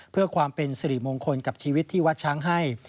เพื่อความเป็นสิริมงคลกับชีวิตที่วัดช้างให้